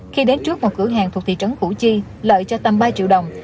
khi đến trước một cửa hàng thuộc thị trấn củ chi lợi cho tâm ba triệu đồng